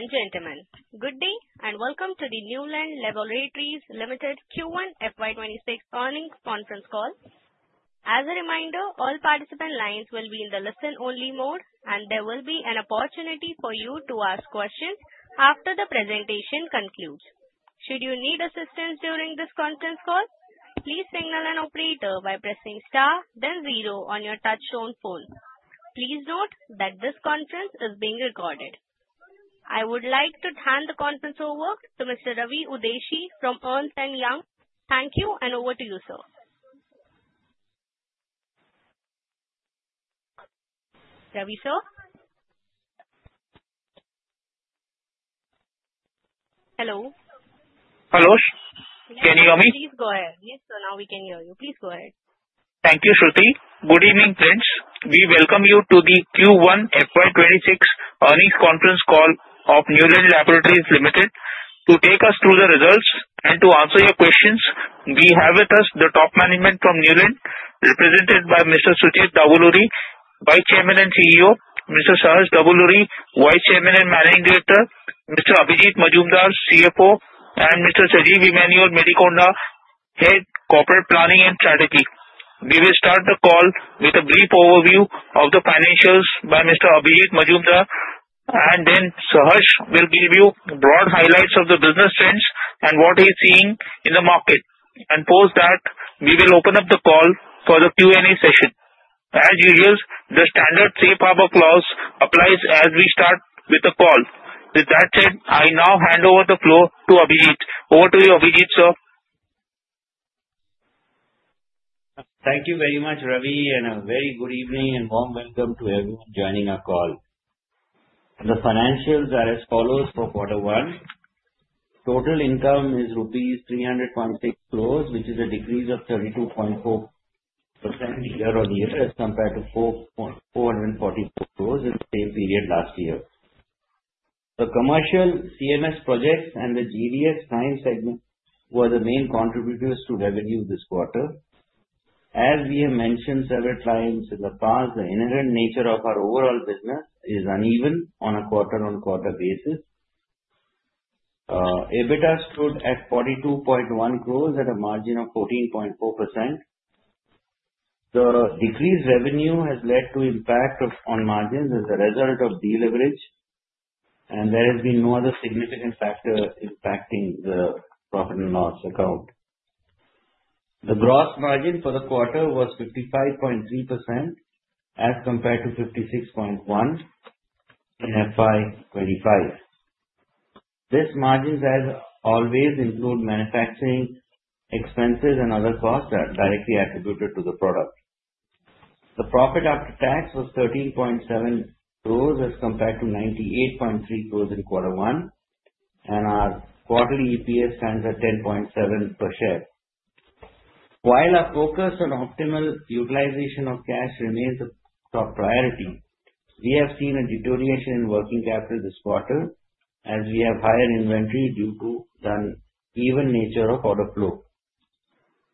Ladies and gentlemen, good day, and welcome to the Neuland Laboratories Limited Q1FY26 earnings conference call. As a reminder, all participant lines will be in the listen-only mode, and there will be an opportunity for you to ask questions after the presentation concludes. Should you need assistance during this conference call, please signal an operator by pressing Star then zero on your touch-tone phone. Please note that this conference is being recorded. I would like to hand the conference over to Mr. Ravi Udeshi from Ernst & Young. Thank you. And over to you, sir. Ravi sir. Hello. Hello. Can you hear me? Please go ahead. Yes. So now we can hear you. Please go ahead. Thank you, Shruti. Good evening, friends. We welcome you to the Q1 FY26 earnings conference call of Neuland Laboratories Limited to take us through the results and to answer your questions. We have with us the top management from Neuland represented by Mr. Sujith Davuluri, Vice Chairman and CEO, Mr. Saharsh Davuluri, Vice Chairman and Managing Director, Mr. Abhijit Majumdar, CFO, and Mr. Sajeev Emmanuel Medikonda, Head of Corporate Planning and Strategy. We will start the call with a brief overview of the financials by Mr. Abhijit Majumdar. And then Saharsh will give you broad highlights of the business trends and what he is seeing in the market. And post that we will open up the call for the Q and A session. As usual, the standard Safe Harbor clause applies as we start the call. With that said, I now hand over the floor to Abhijit. Over to you, Abhijit sir. Thank you very much, Ravi, and a very good evening and warm welcome to everyone joining our call. The financials are as follows. For quarter one, total income is Rupees 316 crores which is a decrease of 32.4% year on year as compared to 444 crores in the same period last year. The Commercial CMS projects and the GDS segment were the main contributors to revenue this quarter. As we have mentioned several times in the past, the inherent nature of our overall business is uneven. On a quarter-on-quarter basis, EBITDA stood at 42.1 crores at a margin of 14.4%. The decreased revenue has led to impact on margins as a result of deleverage, and there has been no other significant factor impacting the profit and loss account. The gross margin for the quarter was 55.3% as compared to 56.1 in FY24. These margins, as always, include manufacturing expenses and other costs directly attributed to the product. The profit after tax was 13.7 crores as compared to 98.3 crores in quarter one and our quarterly EPS stands at 10.7 per share. While our focus on optimal utilization of cash remains a top priority, we have seen a deterioration in working capital this quarter as we have higher inventory due to the uneven nature of order flow.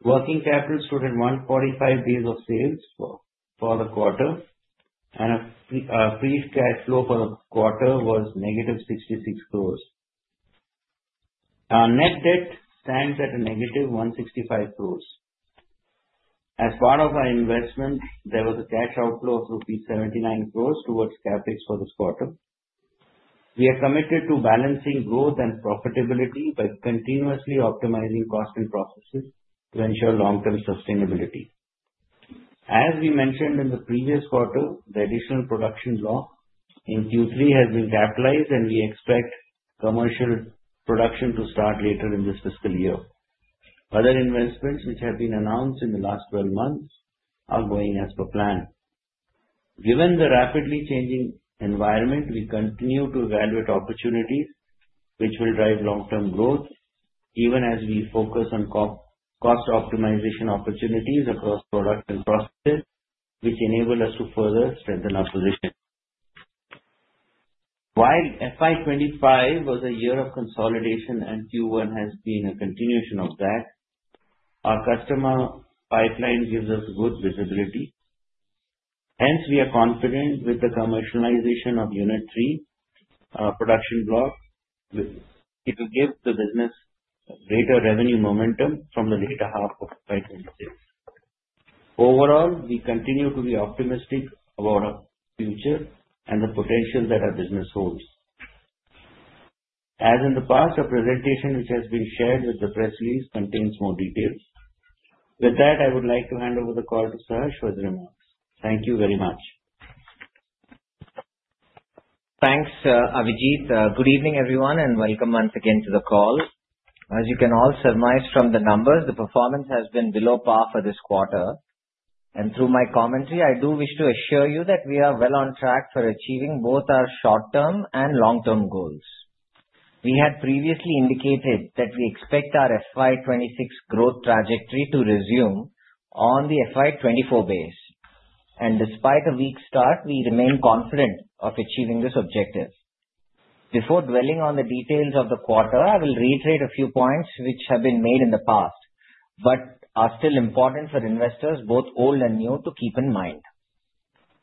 Working capital stood at 145 days of sales for the quarter and free cash flow for the quarter was negative 66 crores. Our net debt stands at a negative 165 crores. As part of our investment, there was a cash outflow of rupees 79 crores towards Capex for this quarter. We are committed to balancing growth and profitability by continuously optimizing cost and processes to ensure long-term sustainability. As we mentioned in the previous quarter, the additional production line in Q3 has been capitalized and we expect commercial production to start later in this fiscal year. Other investments which have been announced in the last 12 months are going as per plan. Given the rapidly changing environment, we continue to evaluate opportunities which will drive long term growth even as we focus on cost optimization opportunities across product and processes which enable us to further strengthen our position. While FY25 was a year of consolidation and Q1 has been a continuation of that, our customer pipeline gives us good visibility. Hence we are confident with the commercialization of Unit 3 production block. It will give the business greater revenue momentum from the later half of 26. Overall, we continue to be optimistic about our future and the potential that our business holds. As in the past, a presentation which has been shared with the press release contains more details. With that I would like to hand over the call to Saharsh for his remarks. Thank you very much. Thanks Abhijit. Good evening everyone and welcome once again to the call. As you can all surmise from the numbers, the performance has been below par for this quarter and through my commentary I do wish to assure you that we are well on track for achieving both our short term and long term goals. We had previously indicated that we expect our FY26 growth trajectory to resume on the FY24 base and despite a weak start, we remain confident of achieving this objective. Before dwelling on the details of the quarter, I will reiterate a few points which have been made in the past but are still important for investors both old and new to keep in mind.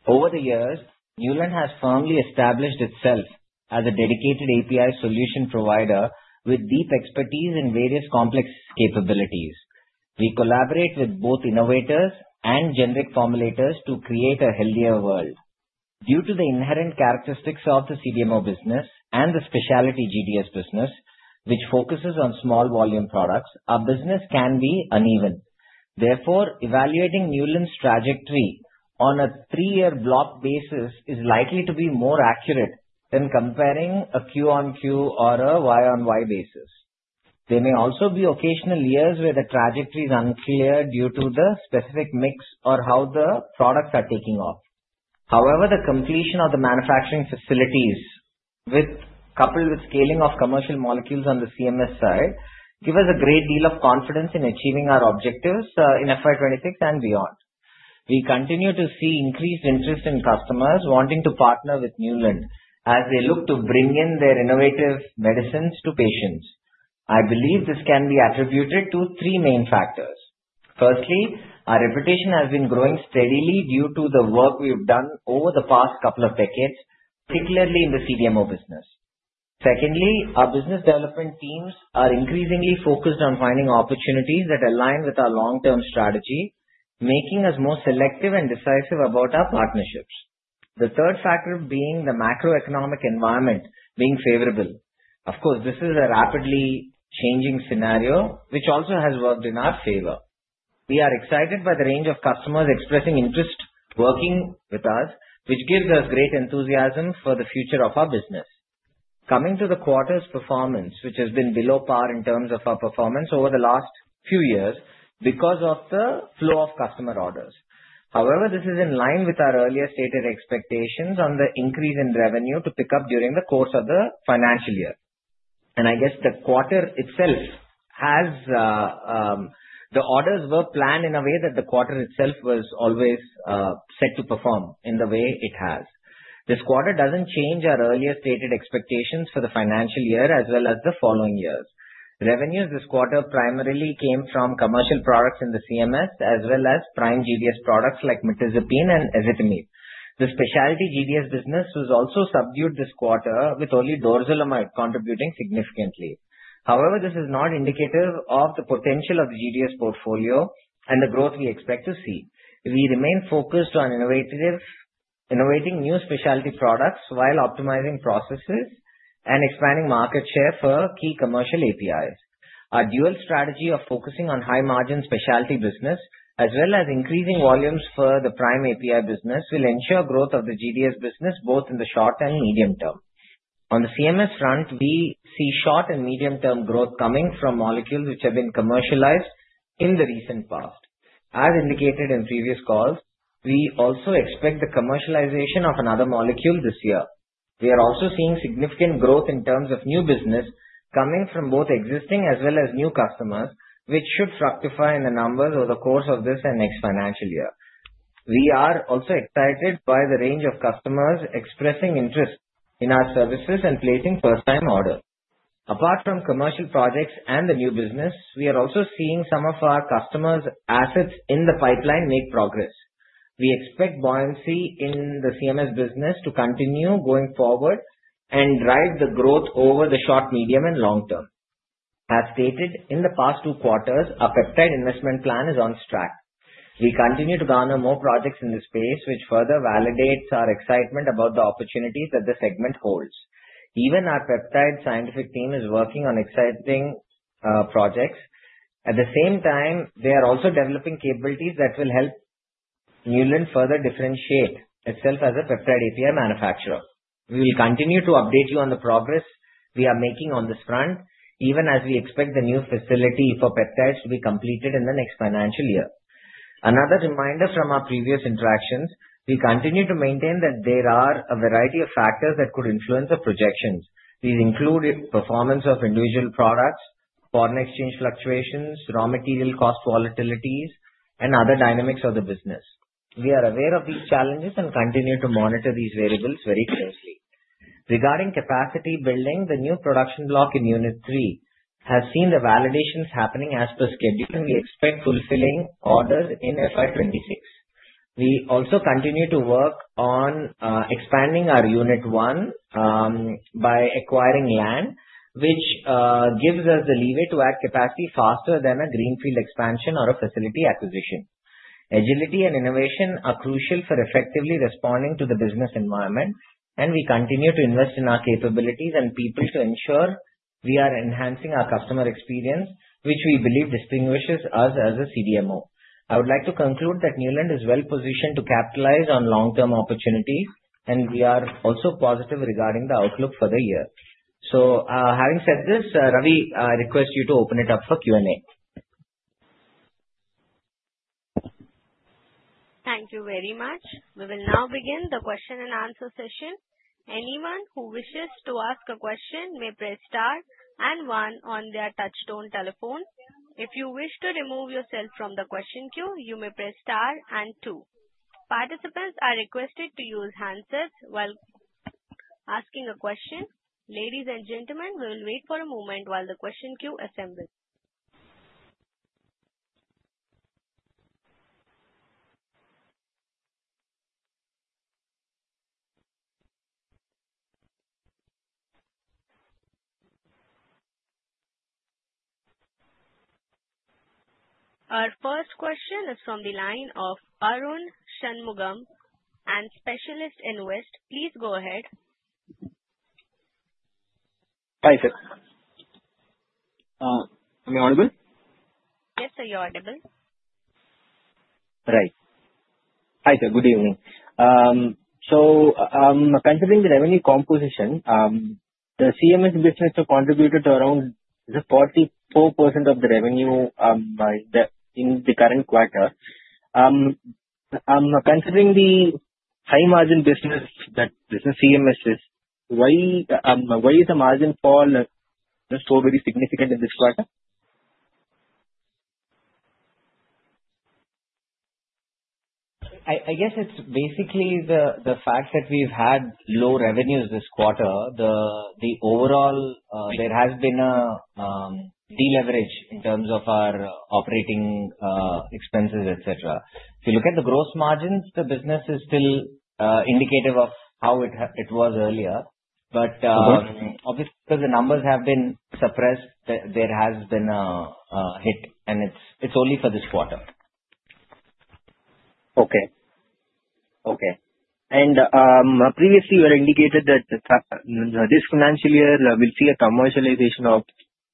Over the years Neuland has firmly established itself as a dedicated API solution provider with deep expertise in various complex capabilities. We collaborate with both innovators and generic formulators to create a healthier world. Due to the inherent characteristics of the CDMO business and the specialty GDS business which focuses on small volume products, our business can be uneven. Therefore, evaluating Neuland's trajectory on a three year block basis is likely to be more accurate than comparing a Q on Q or a Y on Y basis. There may also be occasional years where the trajectory is unclear due to the specific mix or how the products are taking off. However, the completion of the manufacturing facilities coupled with scaling of commercial molecules on the CMS side give us a great deal of confidence in achieving our objectives in FY26 and beyond. We continue to see increased interest in customers wanting to partner with Neuland as they look to bring in their innovative medicines to patients. I believe this can be attributed to three main factors. Firstly, our reputation has been growing steadily due to the work we have done over the past couple of decades, particularly in the CDMO business. Secondly, our business development teams are increasingly focused on finding opportunities that align with our long term strategy, making us more selective and decisive about our partnerships. The third factor being the macroeconomic environment being favorable. Of course, this is a rapidly changing scenario which also has worked in our favor. We are excited by the range of customers expressing interest in working with us, which gives us great enthusiasm for the future of our business. Coming to the quarter's performance, which has been below par in terms of our performance over the last few years because of the flow of customer orders. However, this is in line with our earlier stated expectations on the increase in revenue to pick up during the course of the financial year, and I guess the quarter itself, the orders were planned in a way that the quarter itself was always set to perform in the way it has. This quarter doesn't change our earlier stated expectations for the financial year as well as the following years. Revenues this quarter primarily came from commercial products in the CMS as well as prime GDS products like Mirtazapine and Ezetimibe. The specialty GDS business was also subdued this quarter with only Dorzolamide contributing significantly. However, this is not indicative of the potential of the GDS portfolio and the growth we expect to see. We remain focused on innovating new specialty products while optimizing processes and expanding market share for key commercial APIs. Our dual strategy of focusing on high margin specialty business as well as increasing volumes for the prime API business will ensure growth of the GDS business both in the short and medium term. On the CMS front, we see short and medium term growth coming from molecules which have been commercialized in the recent past. As indicated in previous calls, we also expect the commercialization of another molecule this year. We are also seeing significant growth in terms of new business coming from both existing as well as new customers which should fructify in the numbers over the course of this and next financial year. We are also excited by the range of customers expressing interest in our services and placing first time order. Apart from commercial projects and the new business, we are also seeing some of our customers assets in the pipeline make progress. We expect buoyancy in the CMS business to continue going forward and drive the growth over the short, medium and long term. As stated in the past two quarters, our peptide investment plan is on track. We continue to garner more projects in this space which further validates our excitement about the opportunities that the segment holds. Even our peptide scientific team is working on exciting projects. At the same time they are also developing capabilities that will help Neuland further differentiate itself as a Peptide API manufacturer. We will continue to update you on the progress we are making on this front even as we expect the new facility for peptides to be completed in the next financial year. Another reminder from our previous interactions, we continue to maintain that there are a variety of factors that could influence the projections. These include performance of individual products, foreign exchange fluctuations, raw material cost, volatilities and other dynamics of the business. We are aware of these challenges and continue to monitor these variables very closely. Regarding capacity building, the new production block in Unit three has seen the validations happening as per schedule and we expect fulfilling orders in FY26. We also continue to work on expanding our Unit 1 by acquiring land which gives us the leeway to add capacity faster than a greenfield expansion or a facility acquisition. Agility and innovation are crucial for effectively responding to the business environment and we continue to invest in our capabilities and people to ensure we are enhancing our customer experience which we believe distinguishes us as a CDMO. I would like to conclude that Neuland is well positioned to capitalize on long-term opportunities and we are also positive regarding the outlook for the year. So having said this Ravi, I request you to open it up for Q and A. Thank you very much. We will now begin the question and answer session. Anyone who wishes to ask a question may press star and one on their touchtone telephone. If you wish to remove yourself from the question queue, you may press star and two. Participants are requested to use handsets while asking a question. Ladies and gentlemen, we will wait for a moment while the question queue assembles. Our first question is from the line of Arun Shanmugam and Spark Capital. Please go ahead. i sir. Am I audible? Yes sir. You're audible, right? Hi, sir. Good evening. So, considering the revenue composition, the CMS business contributed around 44% of the revenue in the current quarter. Considering the high margin business. That business, CMS, is. Why is the margin fall so very significant in this quarter? I guess it's basically the fact that we've had low revenues this quarter. Overall, there has been a deleverage in terms of our operating expenses, et cetera. If you look at the gross margins, the business is still indicative of how it was earlier. But obviously, because the numbers have been suppressed, there has been a hit, and it's only for this quarter. Okay. Okay. Previously, we indicated that this financial year we'll see a commercialization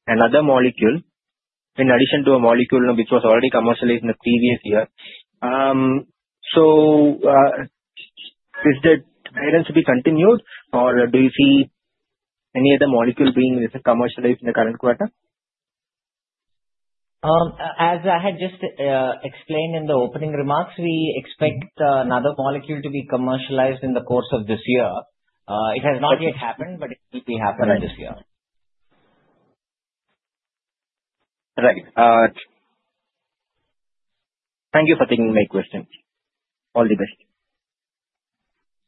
of another molecule in addition to a molecule which was already commercialized in the previous year. So is the variance to be continued or do you see any other molecule being commercialized in the current quarter? As I had just explained in the opening remarks, we expect another molecule to be commercialized in the course of this year. It has not yet happened but it will be happening this year. Right? Thank you for taking my question. All the best.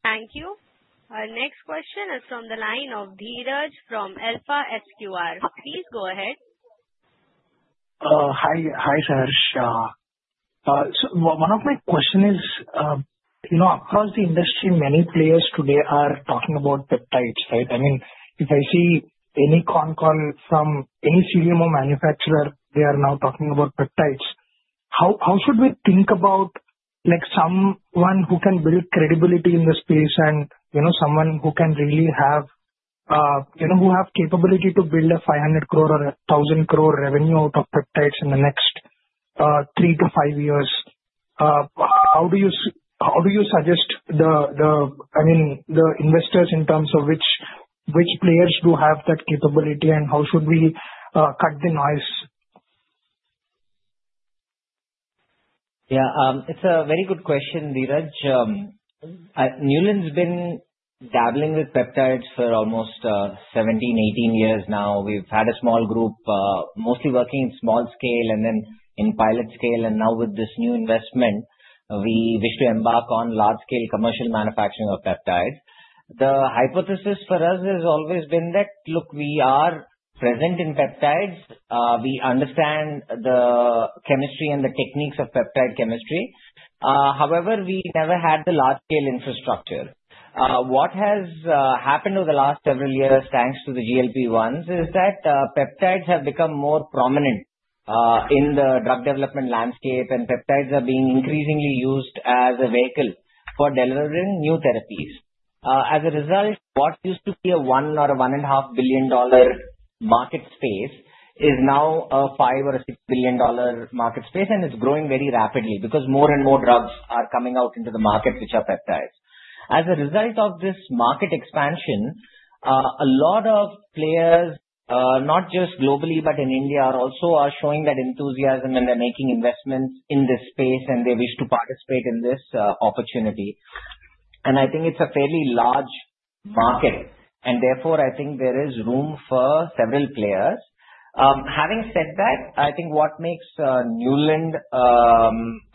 Thank you. Our next question is from the line of Dheeraj from Alpha Squared. Please go ahead. Hi Saharsh. One of my question is, you know across the industry many players today are talking about peptides, right? I mean if I see any con call from any CDMO manufacturer they are now talking about peptides. How. How should we think about like someone who can build credibility in the space and you know, someone who can really have, you know, who have capability to build a 500 crore or thousand crore revenue out of peptides in the next three to five years? How do you suggest the. I mean the investors in terms of which, which players do have that capability and how should we cut the noise? Yeah, it's a very good question. Dheeraj, Neuland's been dabbling with peptides for almost 17-18 years now. We've had a small group mostly working in small scale and then in pilot scale. And now with this new investment we wish to embark on large scale commercial manufacturing of peptides. The hypothesis for us has always been that look, we are present in peptides. We understand the chemistry and the techniques of peptide chemistry. However, we never had the large scale infrastructure. What has happened over the last several years thanks to the GLP-1s is that peptides have become more prominent in the drug development landscape and peptides are being increasingly used as a vehicle for delivering new therapies. As a result, what used to be a $1 or $1.5 billion market space is now a $5 or $6 billion market space, and it's growing very rapidly because more and more drugs are coming out into the market, which are peptides. As a result of this market expansion, a lot of players, not just globally but in India also are showing that enthusiasm and they're making investments in this space and they wish to participate in this opportunity, and I think it's a fairly large market and therefore I think there is room for several players. Having said that, I think what makes Neuland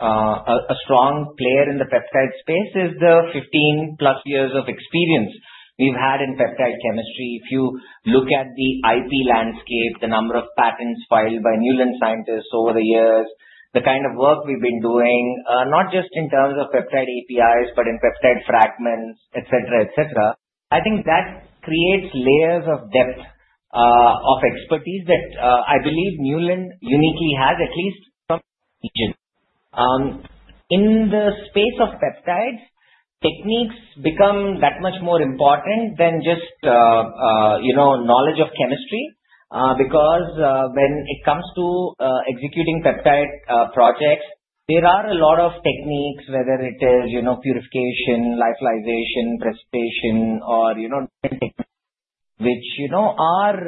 a strong player in the peptide space is the 15 plus years of experience we've had in peptide chemistry. If you look at the IP landscape, the number of patents filed by Neuland scientists over the years, the kind of work we've been doing not just in terms of peptide APIs, but in peptide fragments, peptones, etc., etc. I think that creates layers of depth of expertise that I believe Neuland uniquely has, at least in the space of peptides. Techniques become that much more important than just knowledge of chemistry. Because when it comes to executing peptide projects, there are a lot of techniques, whether it is purification, lyophilization, precipitation, or which are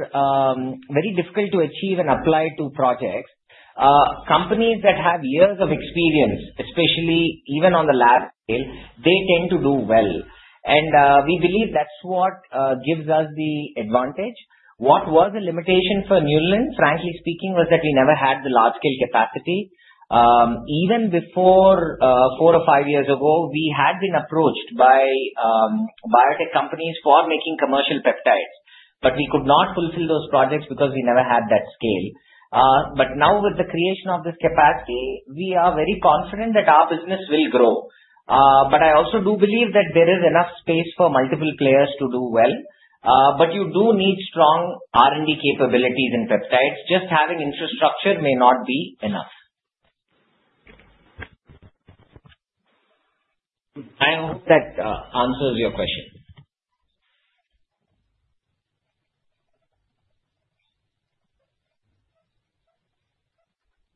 very difficult to achieve and apply to projects. Companies that have years of experience, especially even on the lab scale, they tend to do well. We believe that's what gives us the advantage. What was the limitation for Neuland, frankly speaking, was that we never had the large scale capacity. Even before four or five years ago, we had been approached by biotech companies for making commercial peptides, but we could not fulfill those projects because we never had that scale. But now with the creation of this capacity, we are very confident that our business will grow. But I also do believe that there is enough space for multiple players to do well. But you do need strong R&D capabilities in peptides. Just having infrastructure may not be enough. I hope that answers your question.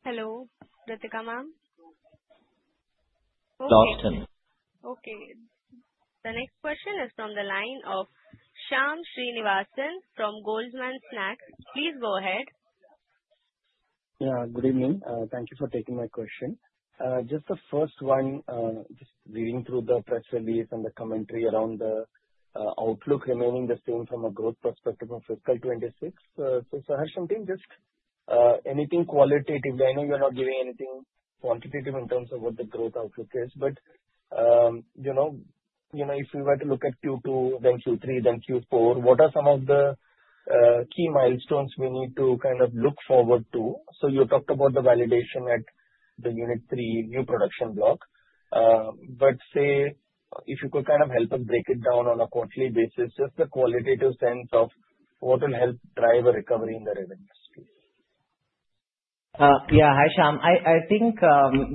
Hello, Datika ma'am. Am. Okay, the next question is from the line of Shyam Srinivasan from Goldman Sachs. Please go ahead. Good evening. Thank you for taking my question. Just the first one. Reading through the press release and the commentary around the outlook remaining the same from a growth perspective of fiscal 26. So, Saharsh, just anything qualitatively. I know you're not giving anything quantitative in terms of what the growth outlook is. But you know, if we were to look at Q2, then Q3, then Q4, what are some of the key milestones we need to kind of look forward to. So you talked about the validation at the Unit three new production block, but say if you could kind of help us break it down on a quarterly basis, just the qualitative sense of what will help drive a recovery in the revenue. Yeah. Hi, Shyam. I think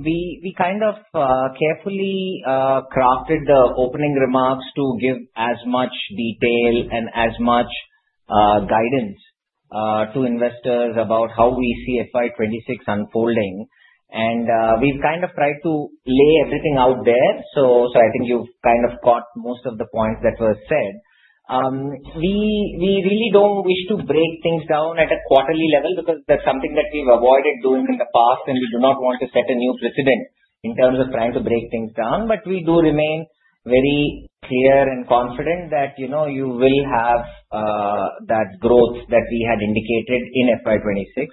we kind of carefully crafted the opening remarks to give as much detail and as much guidance to investors about how we see FY26 unfolding, and we've kind of tried to lay everything out there, so I think you've kind of caught most of the points that were said. We really don't wish to break things down at a quarterly level because that's something that we've avoided doing in the past, and we do not want to set a new precedent in terms of trying to break things down, but we do remain very clear and confident that you will have that growth that we had indicated in FY26.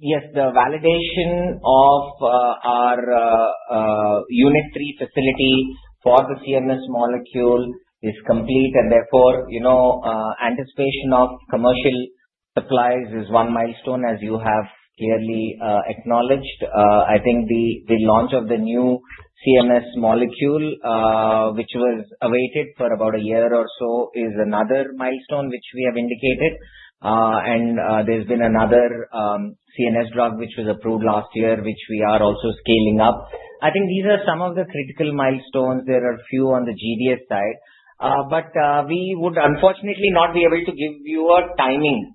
Yes. The validation of our Unit three facility for the CMS molecule is complete, and therefore anticipation of commercial supplies is one milestone, as you have clearly acknowledged. I think the launch of the new CMS molecule, which was awaited for about a year or so, is another milestone which we have indicated. There's been another CNS drug which was approved last year, which we are also scaling up. I think these are some of the critical milestones. There are few on the GDS side, but we would unfortunately not be able to give you a timing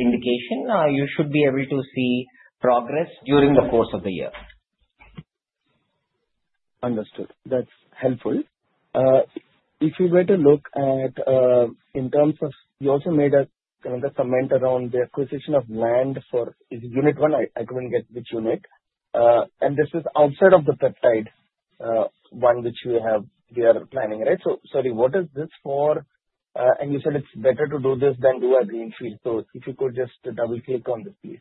indication. You should be able to see progress during the course of the year. Understood. That's helpful. You also made a comment around the acquisition of land for Unit 1. I couldn't get which unit. And this is outside of the peptide one, which we have. We are planning. Right. So, sorry, what is this for? And you said it's better to do this than do a greenfield. So if you could just double click on this, please.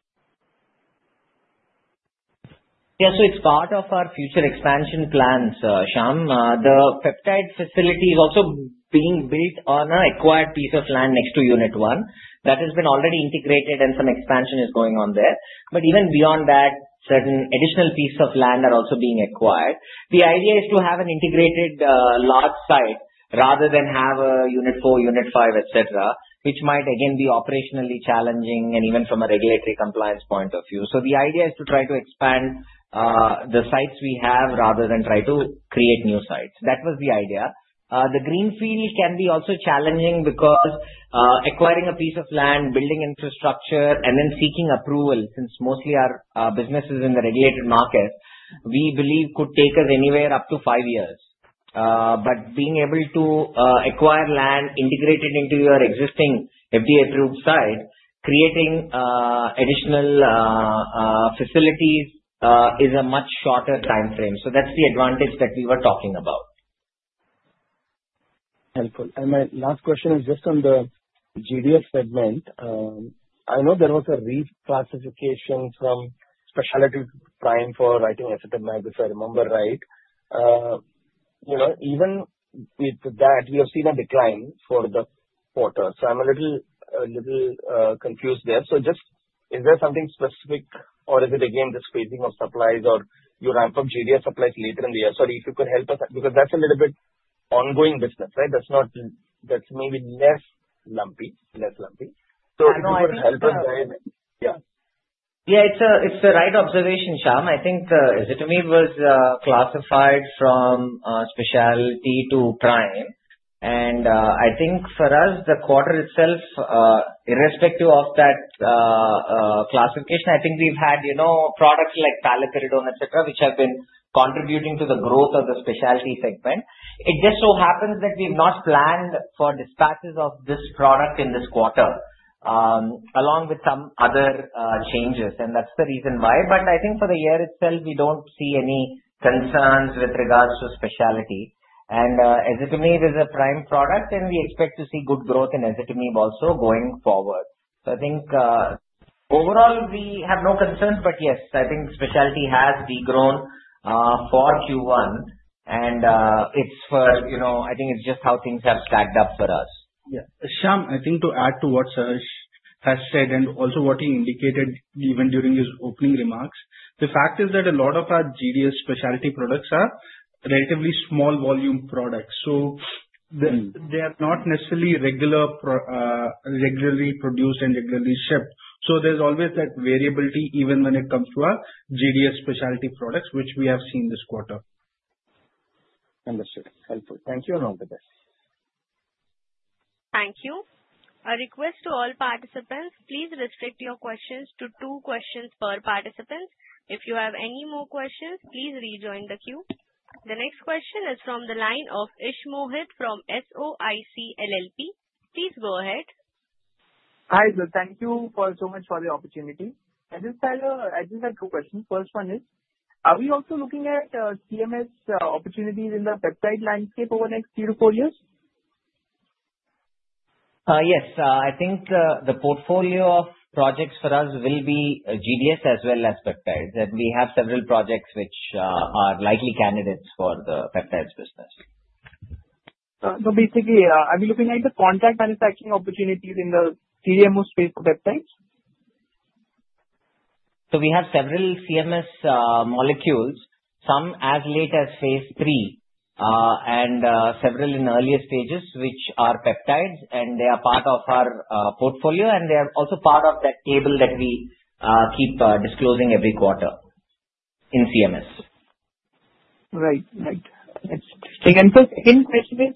Yeah. So it's part of our future expansion plans, Shyam. The Peptide facility is also being built on an acquired piece of land next to Unit 1 that has been already integrated. And some expansion is going on there. But even beyond that, certain additional pieces of land are also being acquired. The idea is to have an integrated large site rather than have a Unit four, Unit five, et cetera, which might again be operationally challenging and even from a regulatory compliance point of view. So the idea is to try to expand the sites we have rather than try to create new sites. That was the idea. The Greenfield can be also challenging because acquiring a piece of land, building infrastructure and then seeking approval, since mostly our business is in the regulated market, we believe could take us anywhere up to five years. But being able to acquire land integrated into your existing FDA-approved site, creating additional facilities is a much shorter time frame. So that's the advantage that we were talking about. And my last question is just on the GDS segment. I know there was a reclassification from specialty prime for writing Ezetimibe if I remember right. You know, even with that we have seen a decline for the quarter. So I'm a little confused there. So just is there something specific or is it again the phasing of supplies or you ramp up GDS supplies later in the year? Sorry, if you could help us because that's a little bit ongoing business. Right? That's not. That's maybe less lumpy. Less lumpy. So it would help us very much. Yeah, it's the right observation, Shyam. I think Ezetimibe was classified from specialty to prime and I think for us, the quarter itself, irrespective of that classification, I think we've had products like Paliperidone, etc. which have been contributing to the growth of the specialty segment. It just so happens that we've not planned for dispatches of this product in this quarter along with some other changes and that's the reason why. But I think for the year itself, we don't see any concerns with regards to specialty and Ezetimibe is a prime product and we expect to see good growth in Ezetimibe also going forward. So I think overall we have no concerns. But yes, I think specialty has degrown for Q1 and it's for. I think it's just how things have stacked up for us. Shyam. I think to add to what Saharsh has said and also what he indicated even during his opening remarks, the fact is that a lot of our GDS specialty products are relatively small volume products. So they are not necessarily regularly produced and regularly shipped. So there's always that variability even when it comes to our GDS specialty products which we have seen this quarter. Understood, helpful. Thank you and all the best. Thank you. A request to all participants. Please restrict your questions to two questions per participants. If you have any more questions, please rejoin the queue. The next question is from the line of Ishmohit from SOIC LLP. Please go ahead. Hi, thank you so much for the opportunity. I just had two questions. First one is, are we also looking at CMS opportunities in the peptide landscape over the next three to four years? Yes, I think the portfolio of projects for us will be GDS as well as peptides, and we have several projects which are likely candidates for the peptides business. So basically, I'll be looking at the contract manufacturing opportunities in the CDMO space. Peptides. So we have several CMS molecules, some as late as phase three and several in earlier stages which are peptides, and they are part of our portfolio, and they are also part of that table that we keep disclosing every quarter in CMS. Right, that's interesting.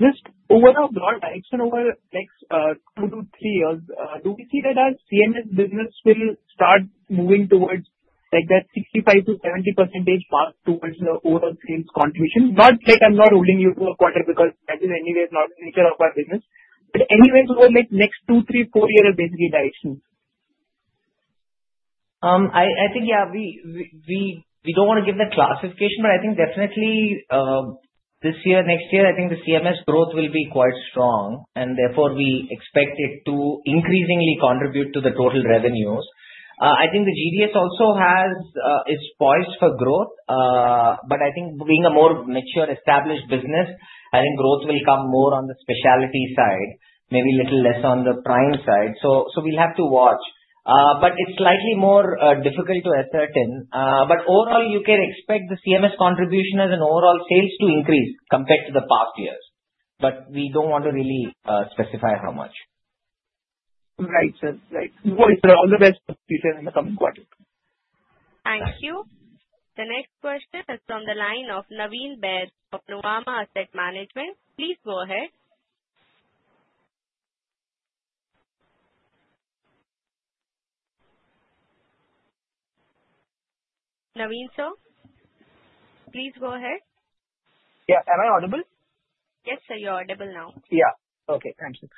Just overall broad direction over next two to three years do we see that our CMS business will start moving towards like that 65%-70% mark towards the overall sales contribution? Not like, I'm not holding you to a quarter because that is anyway not the nature of our business but anyways over like next two, three, four years basically direction I think yeah, we don't want to give the classification but I think definitely this year, next year I think the CMS growth will be quite strong and therefore we expect it to increasingly contribute to the total revenues. I think the GDS also is poised for growth but I think being a more mature established business, I think growth will come more on the specialty side, maybe little less on the prime side. So we'll have to watch but it's slightly more difficult to ascertain. But overall you can expect the CMS contribution as an overall sales to increase compared to the past years but we don't want to really specify how much. Right, sir. Right. All the best details in the coming quarters. Thank you. The next question is from the line of Naveen Bothra of Nuvama Asset Management. Please go ahead. Naveen. Sir? Please go ahead. Yeah, am I audible? Yes sir, you're audible now. Yeah. Okay, thank you.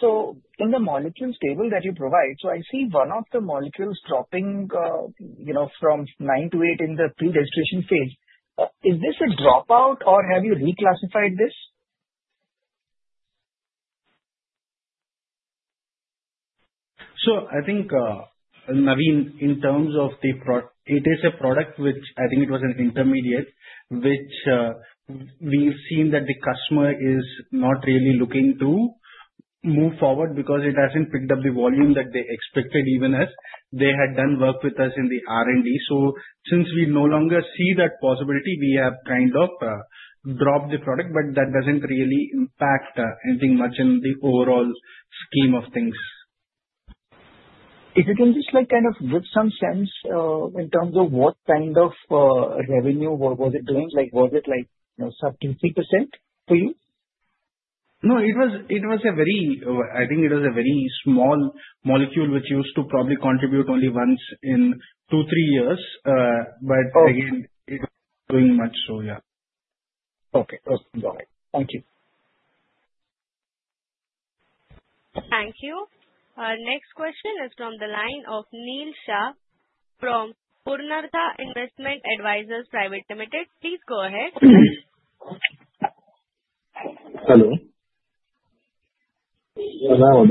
So in the molecules table that you provide, so I see one of the molecules dropping, you know, from nine to eight in the pre-registration phase. Is this a dropout or have you reclassified this? So I think Naveen, in terms of the product it is a product which I think it was an intermediate which we've seen that the customer is not really looking to move forward because it hasn't picked up the volume that they expected even as they had done work with us in the R&D. So since we no longer see that possibility we have kind of dropped the product. But that doesn't really anything much in the overall scheme of things. If you can just like kind of give some sense in terms of what kind of revenue, what was it doing? Like, was it like, you know, sub 20% for you? No, it was, it was a very, I think it was a very small molecule which used to probably contribute only once in two, three years. But again it doing much. So. Yeah. Okay, thank you. Thank you. Our next question is from the line of Neil Shah from Investment Advisors Private Limited. Please go ahead. Hello.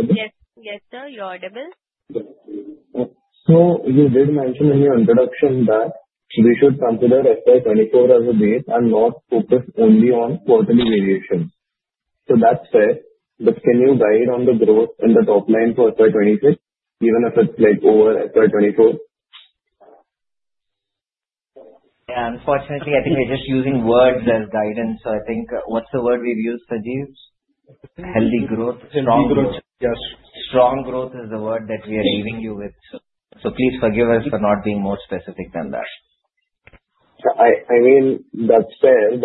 Yes sir, you're audible. You did mention in your introduction that we should consider FY24 as a base and not focus only on quarterly variations. That's fair. But can you guide on the growth in the top line for FY26 even if it's like over FY24? Unfortunately, I think we're just using words as guidance. So I think. What's the word we've used? Sajeev? Healthy growth. Yes. Strong growth is the word that we are leaving you with. So please forgive us for not being more specific than that. I mean that said,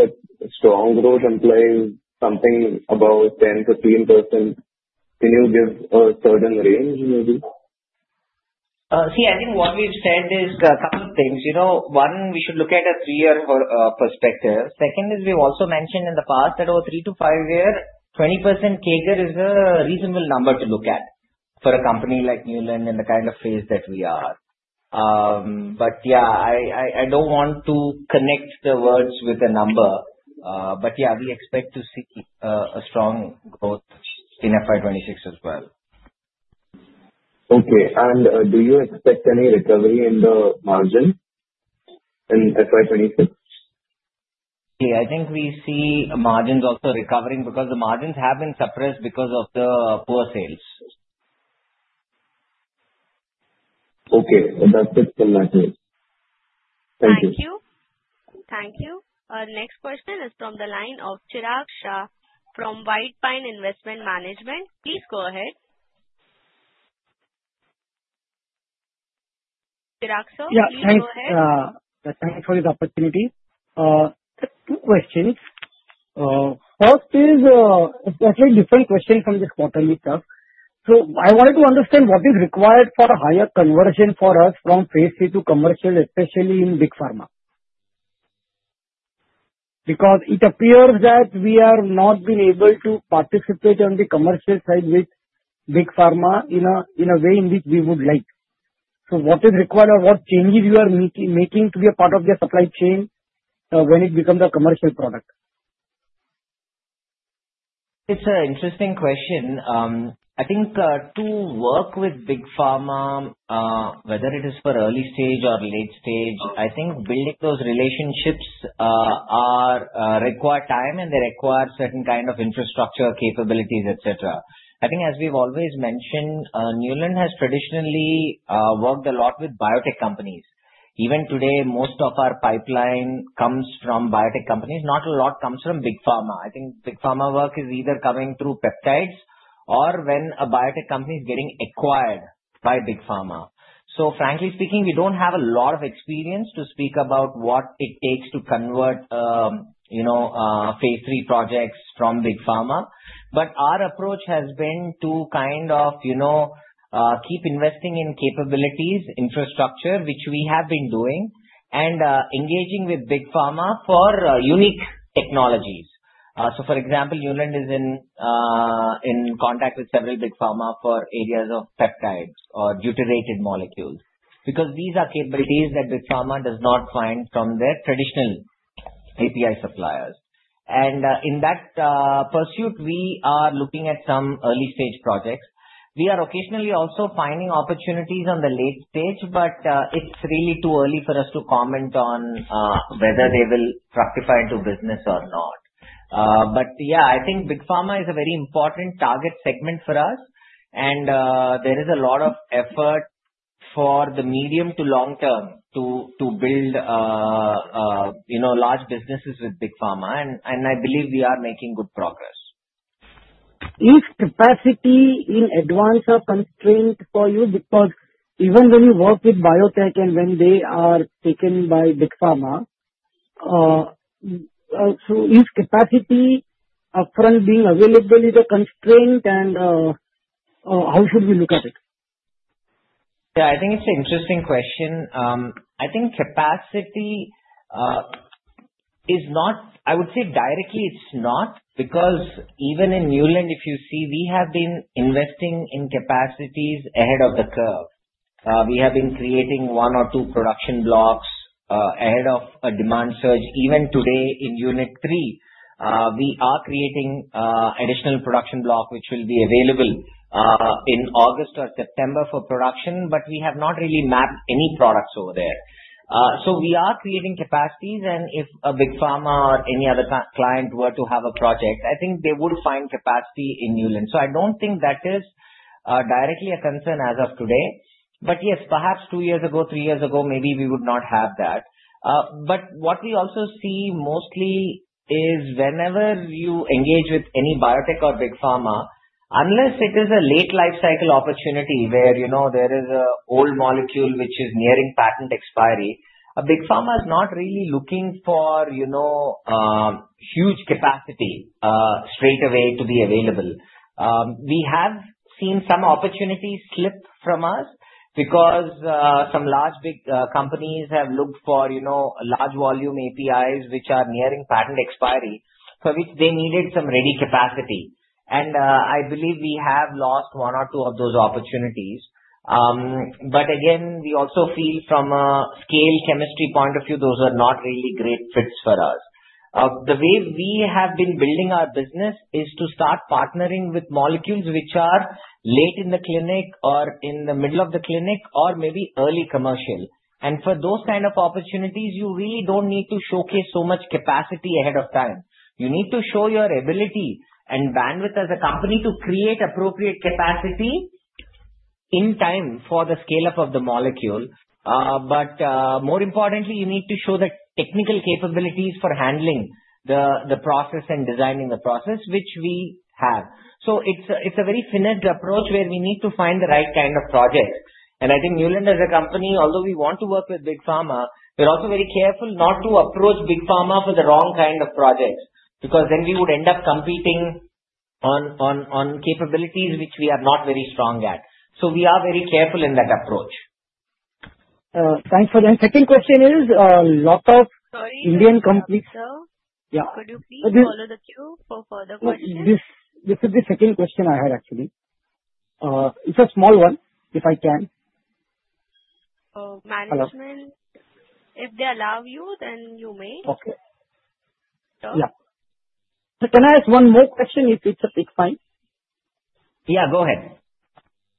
strong growth implies something about 10%-15%. Can you give a certain range? Maybe. See I think what we've said is a couple of things, you know. One, we should look at a three-year perspective. Second, we've also mentioned in the past that over three-five-year 20% CAGR is a reasonable number to look at for a company like Neuland and the kind of phase that we are. But yes, I don't want to connect the words with the number, but yeah, we expect to see a strong growth in FY26 as well. Okay. And do you expect any recovery in the margin in FY26? I think we see margins also recovering because the margins have been suppressed because of the poor sales. Okay, that's it from that. Thank you. Thank you. Our next question is from the line of Chirag Shah from White Pine Investment Management. Please go ahead. Thanks for the opportunity. Two questions. First is a slightly different question from this quarterly stuff. So I wanted to understand what is required for a higher conversion for us from phase three to commercial, especially in Big Pharma. Because it appears that we have not been able to participate on the commercial side with Big Pharma in a way in which we would like. So what is required or what changes you are making to be a part of their supply chain when it becomes a commercial product. It's an interesting question. I think to work with Big Pharma, whether it is for early stage or late stage. I think building those relationships require time and they require certain kind of infrastructure capabilities, etc. I think as we've always mentioned, Neuland has traditionally worked a lot with biotech companies. Even today, most of our pipeline comes from biotech companies. Not a lot comes from Big Pharma. I think Big Pharma work is either coming through peptides or when a biotech company is getting acquired by Big Pharma. Frankly speaking, we don't have a lot of experience to speak about what it takes to convert phase three projects from Big Pharma. Our approach has been to kind of keep investing in capabilities, infrastructure, which we have been doing and engaging with Big Pharma for unique technologies. For example, Neuland is in contact with several Big Pharma for areas of peptides or deuterated molecules because these are capabilities that Big Pharma does not find from their traditional API suppliers. In that pursuit we are looking at some early stage projects. We are occasionally also finding opportunities on the late stage, but it's really too early for us to comment on whether they will fructify into business or not. But yeah, I think Big Pharma is a very important target segment for us and there is a lot of effort for the medium to long term to build large businesses with Big Pharma and I believe we are making good progress. Is capacity in advance of constraint for you? Because even when you work with biotech and when they are taken by Big Pharma, so is capacity upfront being available is a constraint and how should we look at it? Yeah, I think it's an interesting question. I think capacity is not, I would say directly it's not because even in Neuland, if you see we have been investing in capacities ahead of the curve, we have been creating one or two production blocks ahead of a demand surge. Even today in Unit three, we are creating additional production block which will be available in August or September for production. But we have not really mapped any products over there. So we are creating capacities and if a big Pharma or any other client were to have a project, I think they would find capacity in Neuland. So I don't think that is directly a concern as of today. But yes, perhaps two years ago, three years ago, maybe we would not have that. But what we also see mostly is whenever you engage with any biotech or Big Pharma, unless it is a late life cycle opportunity where there is an old molecule which is nearing patent expiry, Big Pharma is not really looking for huge capacity straight away to be available. We have seen some opportunities slip from us because some large big companies have looked for large volume APIs which are nearing patent expiry for which they needed some ready capacity. And I believe we have lost one or two of those opportunities. But again, we also feel from a scale chemistry point of view those are not really great fits for us. The way we have been building our business is to start partnering with molecules which are late in the clinic or in the middle of the clinic or maybe early commercial. For those kind of opportunities, you really don't need to showcase so much capacity ahead of time. You need to show your ability and bandwidth as a company to create appropriate capacity in time for the scale up of the molecule. But more importantly you need to show the technical capabilities for handling the process and designing the process which we have. So it's a very finessed approach where we need to find the right kind of project. I think Neuland as a company, although we want to work with Big Pharma, we're also very careful not to approach Big Pharma for the wrong kind of projects because then we would end up competing on capabilities which we are not very strong at. So we are very careful in that approach. Thanks for. The second question is a lot of Indian companies. Could you please follow the queue for further questions? This is the second question I had actually. It's a small one. If I can. Management. If they allow you, then you may. Okay, yeah. Can I ask one more question? If it's a big one, yeah, go ahead.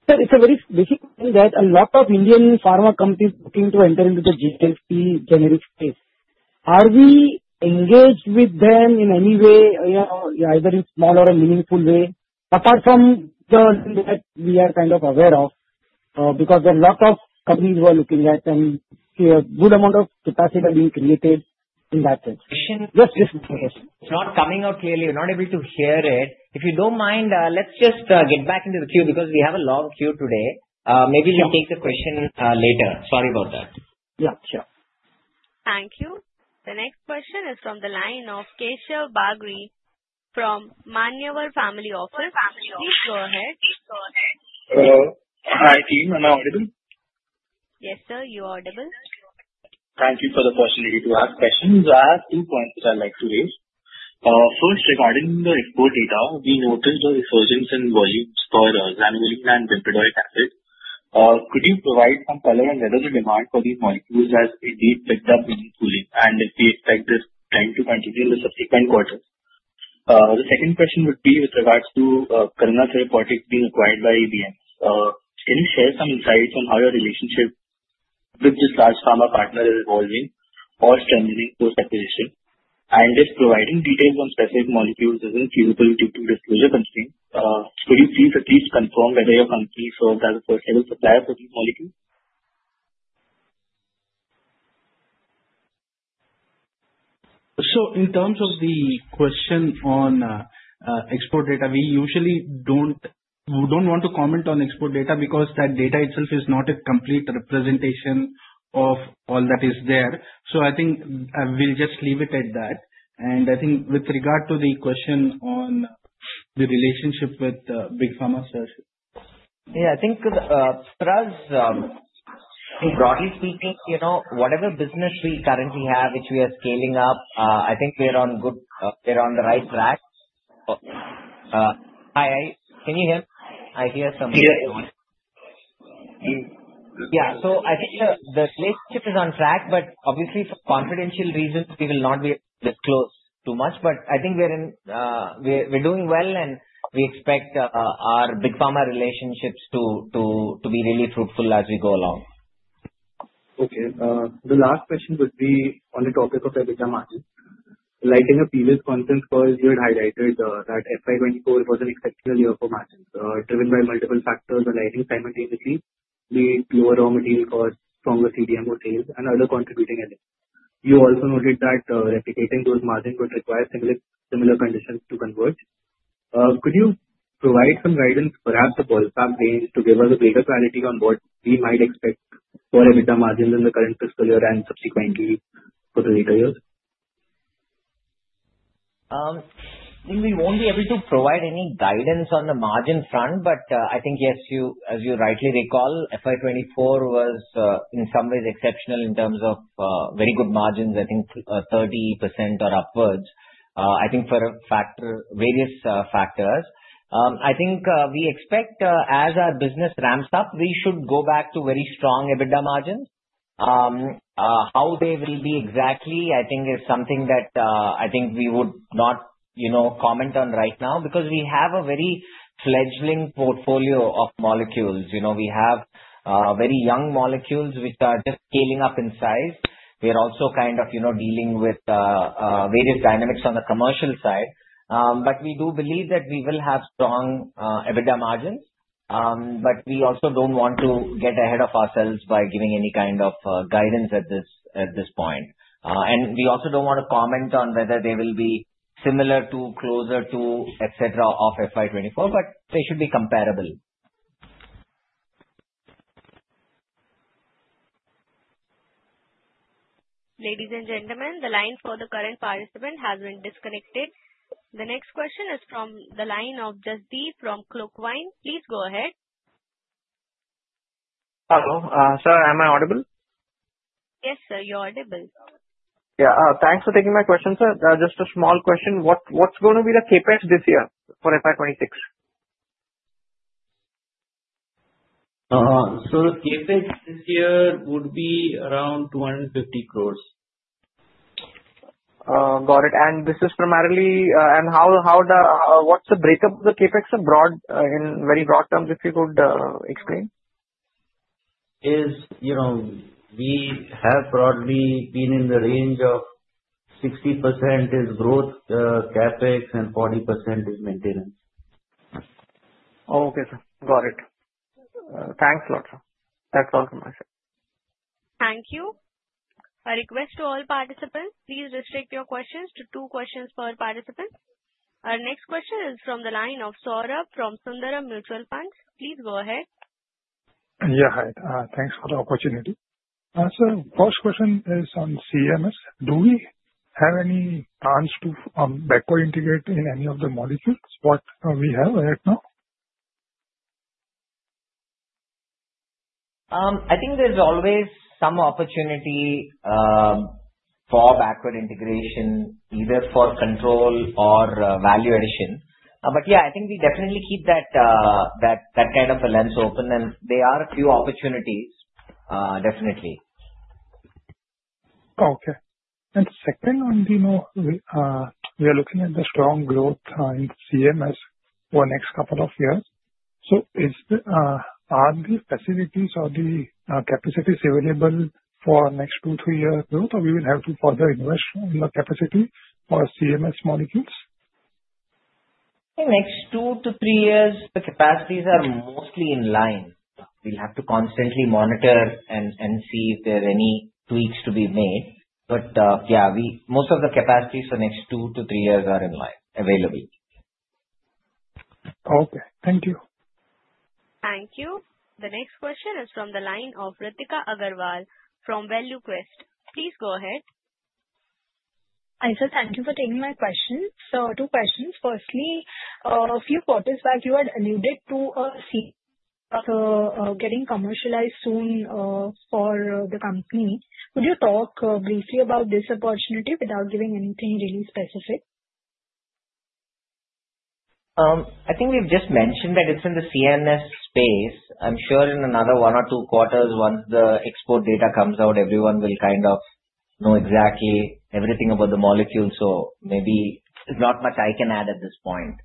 Sir, it's a very basic question that a lot of Indian pharma companies looking to enter into the GDS generic space. Are we engaged with them in any way? You know, either in small or a meaningful way apart from the. That we are kind of aware of because there's a lot of companies who are looking at and good amount of capacity being created in that sense. It's not coming out clearly. You're not able to hear it. If you don't mind, let's just get back into the queue because we have a long queue today. Maybe we take the question later. Sorry about that. Yeah, sure. Thank you. The next question is from the line of Keshav Bagri from Maniyar Family Office. Hi team. Am I audible? Yes sir, you are audible. Thank you for the opportunity to ask questions. I have two points which I'd like to raise. First, regarding the export data, we noticed a resurgence in volumes for Xanomeline and Bempedoic Acid. Could you provide some color on whether the demand for these molecules has indeed picked up during Q1 and if we expect this trend to continue in the subsequent quarters? The second question would be with regards to Karuna Therapeutics being acquired by BMS, can you share some insights on how your relationship with this large pharma partner is evolving or strengthening post acquisition. And if providing details on specific molecules isn't feasible due to disclosure constraints, could you please at least confirm whether your company served as a first level supplier for these molecules? So in terms of the question on export data, we usually don't want to comment on export data because that data itself is not a complete representation of all that is there. So I think we'll just leave it at that. And I think with regard to the question on the relationship with Big Pharma Search. Yeah, I think broadly speaking, you know, whatever business we currently have, which we are scaling up, I think we're on good, we're on the right track. So I think the relationship is on track, but obviously for confidential reasons we will not be disclosed too much. But I think we're doing well and we expect our Big Pharma relationships to be really fruitful as we go along. Okay. The last question would be on the topic of EBITDA margin guidance. A previous conference call you had highlighted that FY24 was an exceptional year for margins driven by multiple factors arising simultaneously, be it lower raw material costs, stronger CDMO tolls and other contributing elements. You also noted that replicating those margins would require similar conditions to converge. Could you provide some guidance, perhaps a ballpark range to give us a greater clarity on what we might expect for EBITDA margins in the current fiscal year and subsequently for the later years? We won't be able to provide any guidance on the margin front. But I think, yes, as you rightly recall, FY24 was in some ways exceptional in terms of very good margins. I think 30% or upwards. I think for a factor, various factors. I think we expect as our business ramps up, we should go back to very strong EBITDA margins. How they will be exactly, I think, is something that I think we would not comment on right now because we have a very fledgling portfolio of molecules. We have very young molecules which are just scaling up in size. We are also kind of dealing with various dynamics on the commercial side, but we do believe that we will have strong EBITDA margins, but we also don't want to get ahead of ourselves by giving any kind of guidance at this point. And we also don't want to comment on whether they will be similar to, closer to, etc. of FY24, but they should be comparable. Ladies and gentlemen, the line for the current participant has been disconnected. The next question is from the line of Jasdeep from Clockvine. Please go ahead. Hello sir, am I audible? Yes sir, you're audible. Yeah, thanks for taking my question, sir. Just a small question. What? What's going to be the Capex this year for FY26? So Capex this year would be around 250 crores. Got it. And this is primarily and how what's the breakup of the Capex abroad in very broad terms if you could explain? Is you know we have broadly been in the range of 60% is growth Capex and 40% is maintenance. Okay, sir. Got it. Thanks a lot. That's all from me, sir. Thank you. I request to all participants please restrict your questions to two questions per participant. Our next question is from the line of Saurabh from Sundaram Mutual Fund. Please go ahead. Yeah, hi. Thanks for the opportunity. So first question is on CMS. Do we have any plans to backward integrate in any of the molecules what we have right now? I think there's always some opportunity for backward integration either for control or value addition, but yeah. I think we definitely keep that kind of a lens open, and there are a few opportunities definitely. Okay. And second, on Neuland, we are looking at the strong growth in CMS for next couple of years. So are the facilities or the capacities available for next two, three years growth or we will have to further invest in the capacity for CMS molecules in. Next two-three years. The capacities are mostly in line. We'll have to constantly monitor and see if there are any tweaks to be made. But yeah, most of the capacities for next two to three years are in line available. Okay, thank you. Thank you. The next question is from the line of Ritika Agarwal from ValueQuest. Please go ahead. Hi sir, thank you for taking my question. So two questions. Firstly a few quarters back you had alluded to a getting commercialized soon for the company. Could you talk briefly about this opportunity without giving any really specific. I think we've just mentioned that it's in the CNS space. I'm sure in another one or two quarters once the export data comes out everyone will kind of know exactly everything about the molecule. So maybe not much I can add at this point.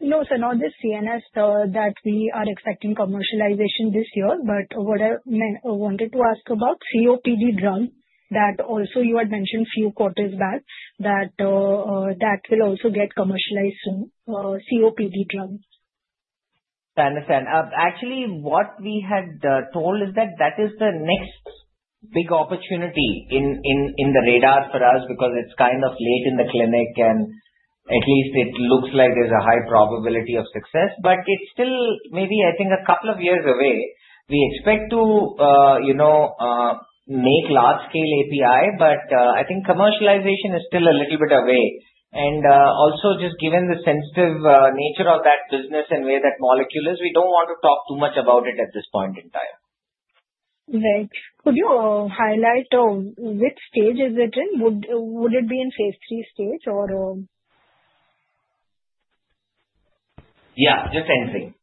No, sir, not this CNS that we are expecting commercialization this year, but what I wanted to ask about COPD drug that also you had mentioned few quarters back that that will also get commercialized soon. COPD drug. I understand. Actually what we had told is that that is the next big opportunity on the radar for us because it's kind of late in the clinic and at least it looks like there's a high probability of success. But it's still maybe, I think a couple of years away. We expect to make large scale API, but I think commercialization is still a little bit away. And also just given the sensitive nature of that business and where that molecule is, we don't want to talk too much about it at this point in time. Right. Could you highlight which stage is it in? Would it be in phase three stage or? Yeah, just anything.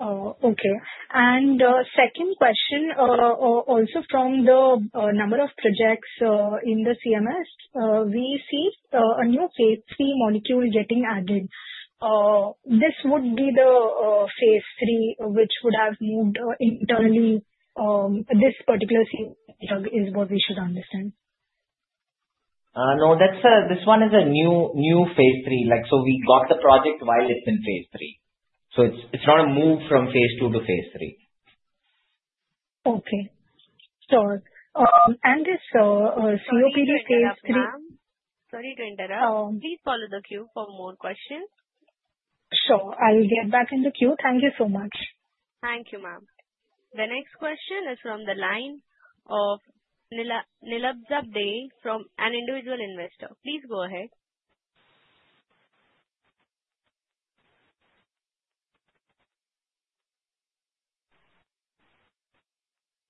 Okay. And second question. Also from the number of projects in the CMS, we see a new phase three molecule getting added. This would be the phase three which would have moved internally. This particular drug is what we should understand. No, that's a. This one is a new phase three. Like so we got the project while it's in phase three. So it's not a move from phase two to phase three. Okay, so. And this COPD phase three. Sorry to interrupt. Please follow the queue for more questions. Sure, I'll get back in the queue. Thank you so much. Thank you, ma'am. Am. The next question is from the line of Nilabja Dey from an individual investor. Please go ahead.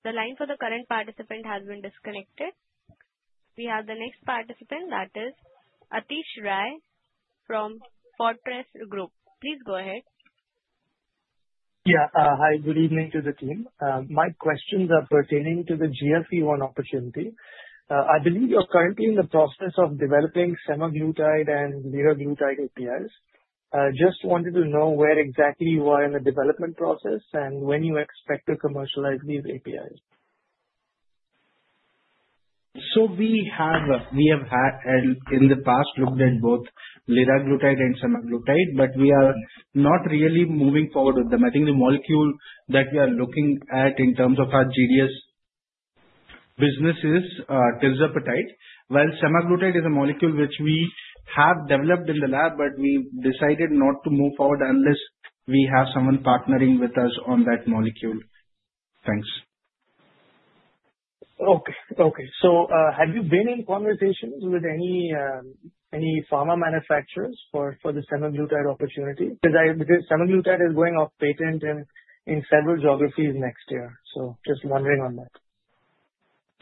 The line for the current participant has been disconnected. We have the next participant that is Atish Rai from Fortress Group. Please go ahead. Yeah. Hi, good evening to the team. My questions are pertaining to the GLP-1 opportunity. I believe you're currently in the process of developing semaglutide and liraglutide APIs. Just wanted to know where exactly you are in the development process and when you expect to commercialize these APIs. So we have in the past looked at both liraglutide and semaglutide, but we are not really moving forward with them. I think the molecule that we are looking at in terms of our GDS business is tirzepatide, while semaglutide is a molecule which we have developed in the lab, but we decided not to move forward unless we have someone partnering with us on that molecule. Thanks. Okay. So have you been in conversations with any pharma manufacturers for the semaglutide opportunity? Because semaglutide is going off patent in several geographies next year. So just wondering on that.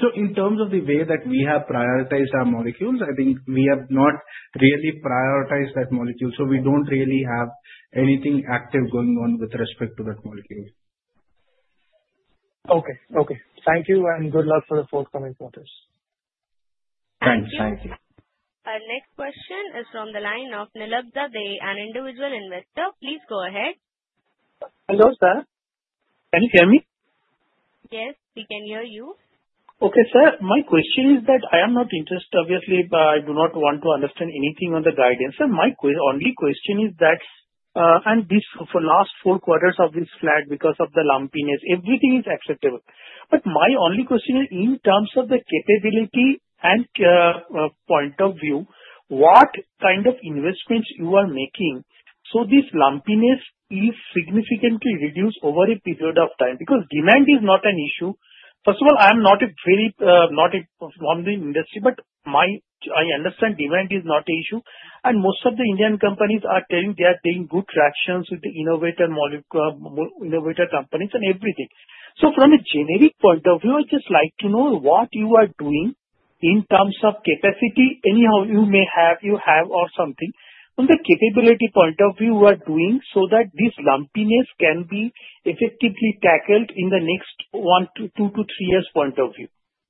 So in terms of the way that we have prioritized our molecules, I think we have not really prioritized that molecule. So we don't really have anything active going on with respect to that molecule. Okay. Okay, thank you and good luck. For the forthcoming. Our next question is from the line of Nilabja Dey, an individual investor. Please go ahead. Hello sir, can you hear me? Yes, we can hear you. Okay, sir, my question is that I am not interested obviously but I do not want to understand anything on the guidance and my only question is that and this for last four quarters of this flat because of the lumpiness everything is acceptable. But my only question is in terms of the capability and point of view, what kind of investments you are making. So this lumpiness is significantly reduced over a period of time because demand is not an issue. First of all I am not a very not a performing industry. But my I understand demand is not issue and most of the Indian companies are telling they are taking good traction with the innovator molecule. Innovator companies and everything. So from a generic point of view, I just like to know what you are doing in terms of capacity anyhow. You may have, you have or something from the capability point of view are doing so that this lumpiness can be effectively tackled in the next one to two to three years. Point of view.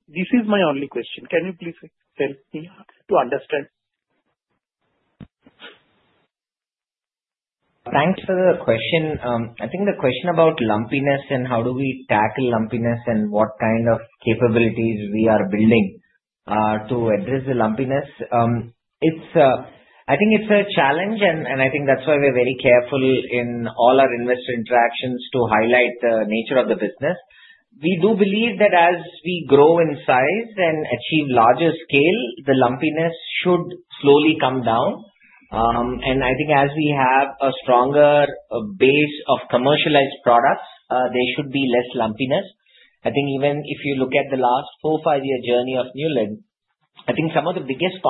This is my only question. Can you please help me to understand? Thanks for the question. I think the question about lumpiness and how do we tackle lumpiness and what kind of capabilities we are building to address the lumpiness. I think it's a challenge and I think that's why we're very careful in all our investor interactions to highlight the nature of the business. We do believe that as we grow in size and achieve larger scale, the lumpiness should slowly come down, and I think as we have a stronger base of commercialized products, there should be less lumpiness. I think even if you look at the last four, five year journey of Neuland, I think some of the biggest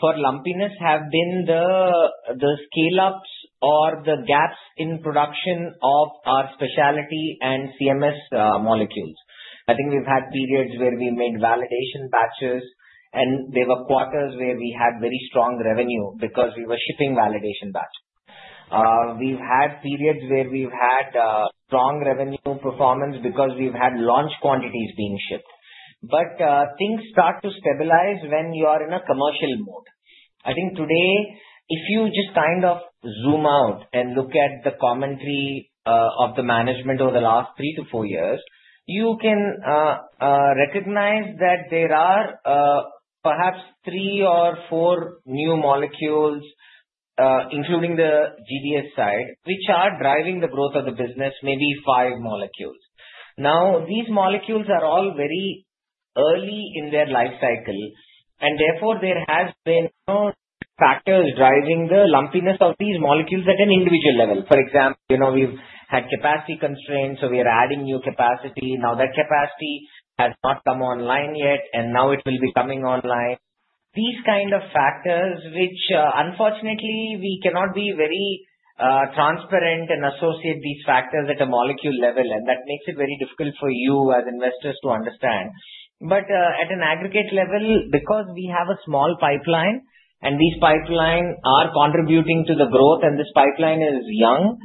contributors for lumpiness have been the scale ups or the gaps in production of our specialty and CMS molecules. I think we've had periods where we made validation batches and there were quarters where we had very strong revenue because we were shipping validation batch. We've had periods where we've had strong revenue performance because we've had launch quantities being shipped. But things start to stabilize when you are in a commercial mode. I think today if you just kind of zoom out and look at the commentary of the management over the last three to four years, you can recognize that there are perhaps three or four new molecules including the GDS side which are driving the growth of the business. Maybe five molecules. Now these molecules are all very early in their life cycle and therefore there has been factors driving the lumpiness of these molecules. At an individual level, for example, we've had capacity constraints so we are adding new capacity now. That capacity has not come online yet and now it will be coming online. These kind of factors which unfortunately we cannot be very transparent and associate these factors at a molecule level and that makes it very difficult for you as investors to understand. But at an aggregate level, because we have a small pipeline and these pipeline are contributing to the growth and this pipeline is young,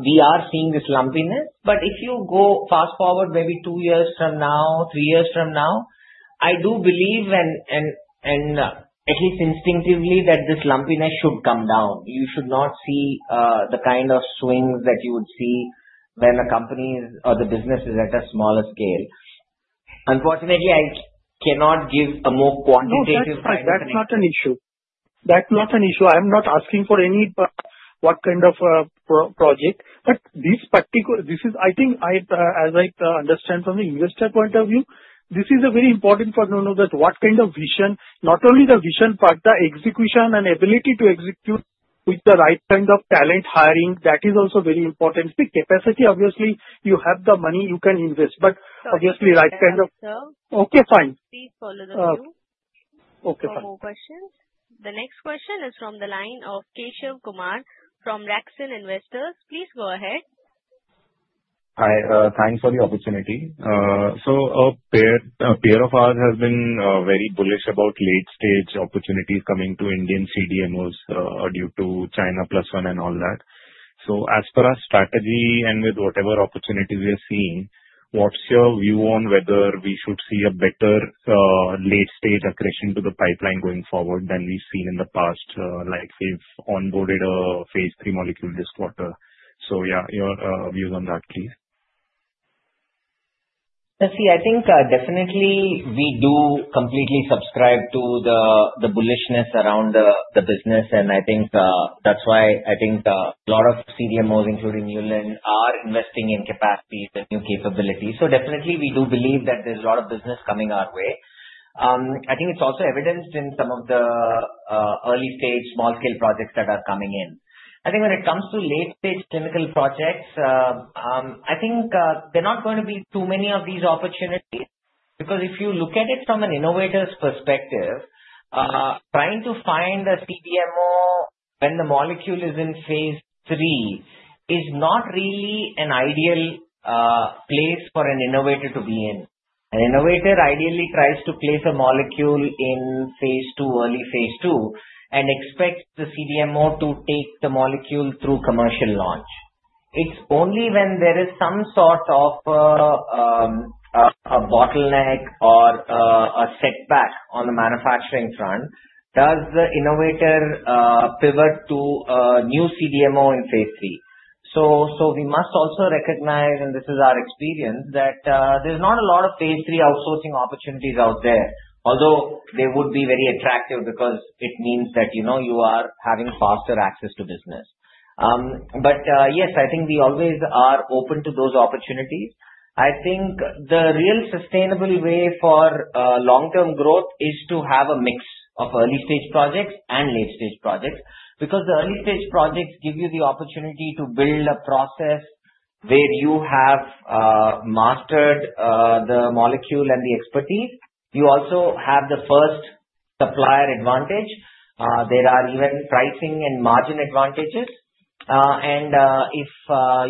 we are seeing this lumpiness. But if you go fast forward maybe two years from now, three years from now, I do believe, at least instinctively, that this lumpiness should come down. You should not see the kind of swings that you would see when a company or the business is at a smaller scale. Unfortunately, I cannot give a more quantitative. That's not an issue. That was an issue. I'm not asking for any what kind of project, but this particular. This is, I think, as I understand from the investor point of view this is a very important partner that. What kind of vision? Not only the vision part, the execution and ability to execute with the right kind of talent hiring, that is also very important capacity. Obviously you have the money you can invest, but obviously. Right, kind of. Okay, fine. Okay, fine. Questions? The next question is from the line of Keshav Kumar from Raksan Investors. Please go ahead. Hi. Thanks for the opportunity. So a pair of ours has been very bullish about late stage opportunities coming to Indian CDMOs due to China Plus One and all that. So as for our strategy and with whatever opportunities we are seeing, what's your view on whether we should see a better late stage accretion to the pipeline going forward than we've seen in the past? Like, we've onboarded a phase three molecule this quarter. Yeah. Your views on that please. I think definitely we do completely subscribe to the bullishness around the business and I think that's why I think a lot of CDMOs including Neuland are investing in capacities and new capabilities. So definitely we do believe that there's a lot of business coming our way. I think it's also evidenced in some of the early stage small scale projects that are coming in. I think when it comes to late stage clinical projects, I think there are not going to be too many of these opportunities. Because if you look at it from an innovator's perspective, trying to find a CDMO when the molecule is in phase three is not really an ideal place for an innovator to be in. An innovator ideally tries to place a molecule in phase two, early phase two, and expects the CDMO to take the molecule through commercial launch. It's only when there is some sort of a bottleneck or a setback on the manufacturing front does the innovator pivot to a new CDMO in phase three. So we must also recognize, and this is our experience, that there's not a lot of phase three outsourcing opportunities out there, although they would be very attractive because it means that you are having faster access to business. But yes, I think we always are open to those opportunities. I think the real sustainable way for long-term growth is to have a mix of early stage projects and late stage projects. Because the early stage projects give you the opportunity to build a process where you have mastered the molecule and the expertise. You also have the first supplier advantage. There are even pricing and margin advantages and if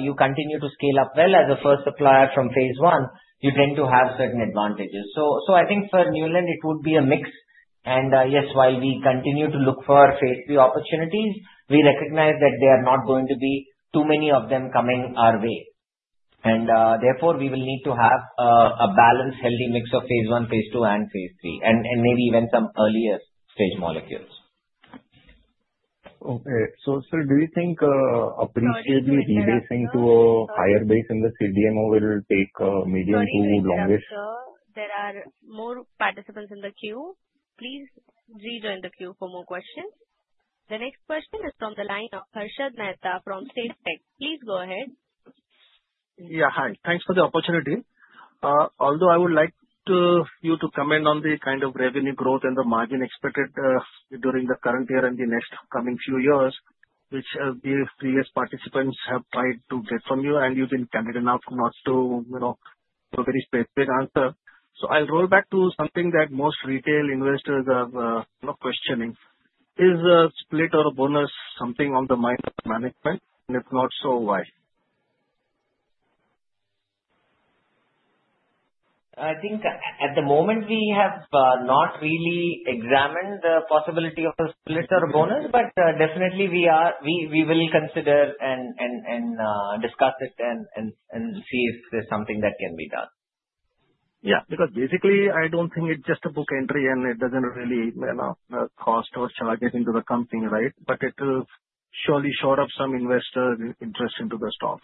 you continue to scale up well as a first supplier from phase one, you tend to have certain advantages. So I think for Neuland it would be a mix. Yes, while we continue to look for phase three opportunities, we recognize that there are not going to be too many of them coming our way and therefore we will need to have a balanced, healthy mix of phase one, phase two and phase three and maybe even some earlier stage molecules. Okay. So sir, do you think appreciably rebasing to a higher base in the CDMO will take medium to longest? There are more participants in the queue. Please rejoin the queue for more questions. The next question is from the lineup. Harshad Natu from Stalwart Investment Advisors. Please go ahead. Yeah, hi. Thanks for the opportunity. Although I would like you to comment on the kind of revenue growth and the margin expected during the current year and the next coming few years which the previous participants have tried to get from you and you've been candid enough not to, you know, give a very specific answer. So I'll roll back to something that most retail investors are questioning. Is a split or a bonus something on the mind of management and if not, so why? I think at the moment we have not really examined the possibility of a split or a bonus, but definitely we are, we will consider and discuss it and see if there's something that can be done. Yeah, because basically I don't think it's just a book entry and it doesn't really cost or charge to the company. Right. But it will surely shore up some investor interest into the stock.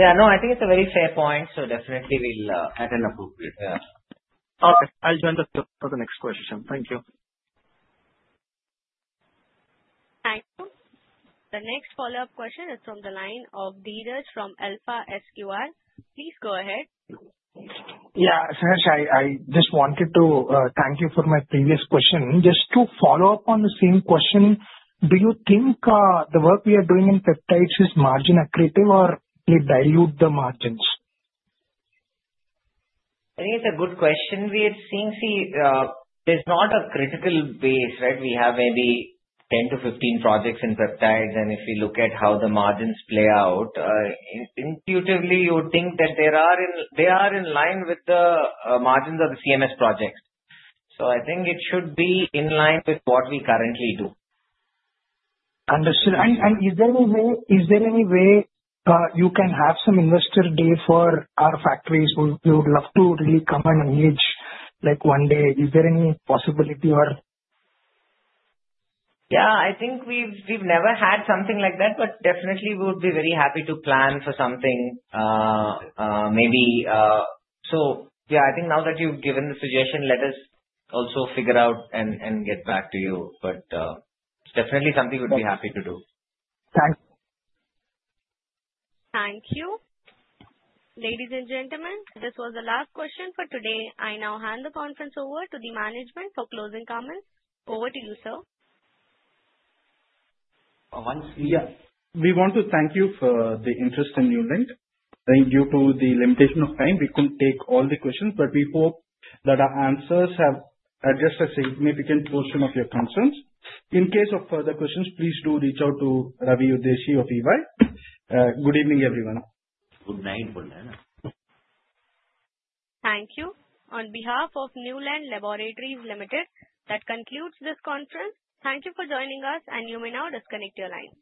Yeah, no, I think it's a very fair point. So definitely we'll add an appropriate. Okay, I'll join the next question. Thank you. Thank you. The next follow up question is from the line of Dheeraj from Alpha Squared. Please go ahead. Yeah, I just wanted to thank you for my previous question. Just to follow up on the same question. Do you think the work we are doing in peptides is margin accretive or dilute the margins? I think it's a good question. We are seeing. See, there's not a critical mass, right. We have maybe 10-15 projects in peptides, and if we look at how the margins play out, intuitively you would think that they are in line with the margins of the CMS projects. So I think it should be in line with what we currently do. Understood. And is there any way you can have some investor day for our factories who would love to really come and engage like one day? Is there any possibility or? Yeah, I think we've. We've never had something like that, but definitely would be very happy to plan for something. Maybe so. Yeah, I think now that you've given the suggestion, let us also figure out and get back to you. But definitely something we'd be happy to do. Thanks. Thank you. Ladies and gentlemen, this was the last question for today. I now hand the conference over to the management for closing comments. Over to you, sir. We want to thank you for the interest in Neuland. Due to the limitation of time, we couldn't take all the questions. But we hope that our answers have addressed a significant portion of your concerns. In case of further questions, please do reach out to Ravi Udeshi of EY. Good evening everyone. Good night. Thank you. On behalf of Neuland Laboratories Limited. That concludes this conference. Thank you for joining us. And you may now disconnect your lines.